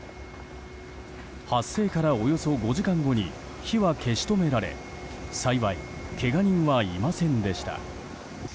発生から、およそ５時間後に火は消し止められ幸い、けが人はいませんでした。